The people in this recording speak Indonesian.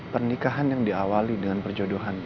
pernikahan yang diawali dengan perjodohan